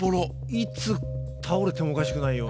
いつ倒れてもおかしくないような。